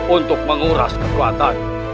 untuk menguras kekuatan